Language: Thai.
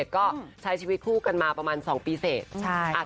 ก็ใช้ชีวิตคู่กันมาประมาณ๒ปีเสร็จ